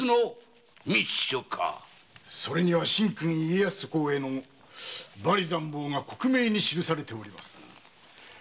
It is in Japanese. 神君・家康公への罵詈讒謗が克明に記されております。